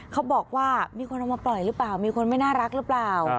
เขาบอกว่ามีคนเอามาปล่อยหรือเปล่ามีคนไม่น่ารักหรือเปล่า